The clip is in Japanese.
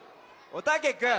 おたけくん。